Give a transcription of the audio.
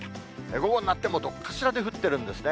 午後になっても、どっかしらで降ってるんですね。